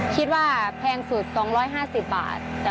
คิดว่าแพงสุด๒๕๐บาท